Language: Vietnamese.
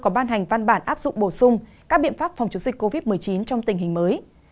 có ban hành văn bản áp dụng bổ sung các biện pháp phòng chống dịch covid một mươi chín trong tình hình mới